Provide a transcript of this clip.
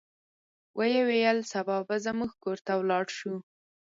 ویې ویل سبا به زموږ کور ته ولاړ شو.